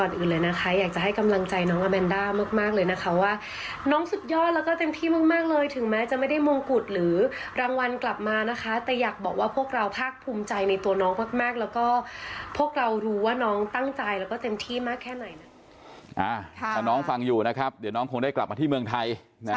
ก่อนอื่นเลยนะคะอยากจะให้กำลังใจน้องอาแมนด้ามากเลยนะคะว่าน้องสุดยอดแล้วก็เต็มที่มากเลยถึงแม้จะไม่ได้มงกุฎหรือรางวัลกลับมานะคะแต่อยากบอกว่าพวกเราภาคภูมิใจในตัวน้องมากแล้วก็พวกเรารู้ว่าน้องตั้งใจแล้วก็เต็มที่มากแค่ไหนน้องฟังอยู่นะครับเดี๋ยวน้องคงได้กลับมาที่เมืองไทย